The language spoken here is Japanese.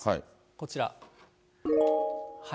こちら。